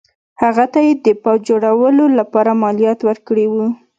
هغه ته یې د پوځ جوړولو لپاره مالیات ورکړي وو.